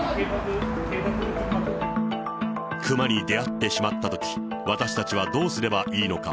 クマに出会ってしまったとき、私たちはどうすればいいのか。